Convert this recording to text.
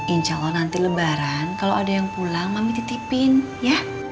insya allah nanti lebaran kalau ada yang pulang mami titipin ya